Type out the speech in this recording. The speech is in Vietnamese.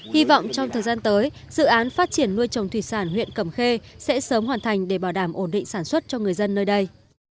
hy vọng trong thời gian tới dự án phát triển nuôi trồng thủy sản huyện cầm khê sẽ sớm hoàn thành để bảo đảm ổn định sản xuất cho người dân nơi đây